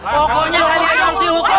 pokoknya kalian harus dihukum